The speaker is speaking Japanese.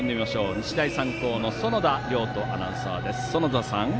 日大三高の園田遼斗アナウンサーです。